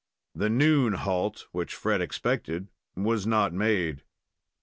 The noon halt which Fred expected was not made.